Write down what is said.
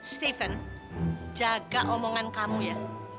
stephen jaga omongan kamu ya